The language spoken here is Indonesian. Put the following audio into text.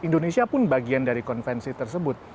indonesia pun bagian dari konvensi tersebut